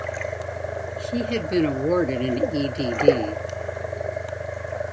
He had been awarded an Ed.D.